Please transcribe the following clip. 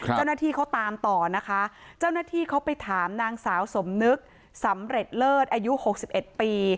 เจ้าหน้าที่เขาตามต่อนะคะเจ้าหน้าที่เขาไปถามนางสาวสมนึกสำเร็จเลิศอายุ๖๑ปี